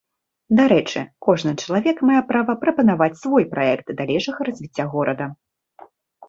Дарэчы, кожны чалавек мае права прапанаваць свой праект далейшага развіцця горада.